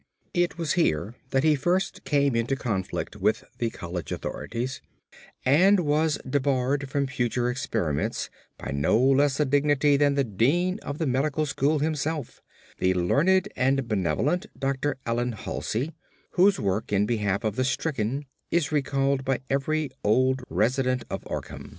It was here that he first came into conflict with the college authorities, and was debarred from future experiments by no less a dignitary than the dean of the medical school himself—the learned and benevolent Dr. Allan Halsey, whose work in behalf of the stricken is recalled by every old resident of Arkham.